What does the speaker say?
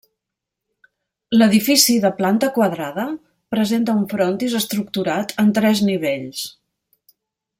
L'edifici, de planta quadrada, presenta un frontis estructurat en tres nivells.